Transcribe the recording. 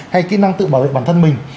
hay kỹ năng tự bảo vệ bản thân mình